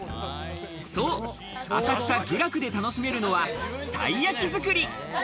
そう、浅草・求楽で楽しめるのはたい焼き作り。